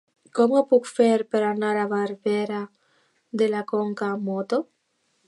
Com ho puc fer per anar a Barberà de la Conca amb moto?